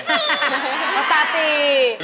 ตาตี